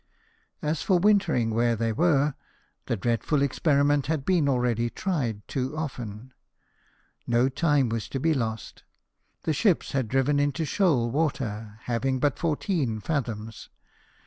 As for wintering where they were, that dreadful experiment had been already tried too often. No time was to be lost ; the ships had driven into shoal water, having but fourteen fathoms.